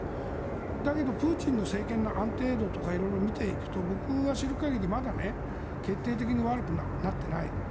だけど、プーチンの政権の安定度とか色々見ていくと僕が知る限りまだ決定的に悪くなっていない。